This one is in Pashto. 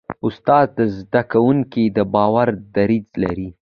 استاد د زده کوونکي د باور دریځ لري.